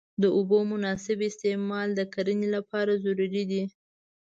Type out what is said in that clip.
د اوبو مناسب استعمال د کرنې لپاره ضروري دی.